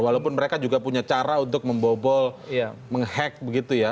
walaupun mereka juga punya cara untuk membobol menghack begitu ya